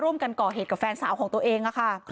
ร่วมกันก่อเหตุกับแฟนสาวของตัวเองค่ะ